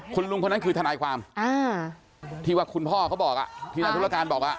คุณลุงคนนั้นคือทนายความที่ว่าคุณพ่อเขาบอกที่นายธุรการบอก